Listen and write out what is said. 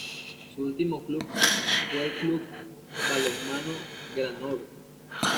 Su último club fue el Club Balonmano Granollers.